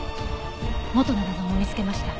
元の画像も見つけました。